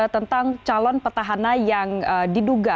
tentang calon petahana yang diduga